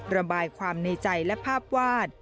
ระบายความในใจและภาพวาด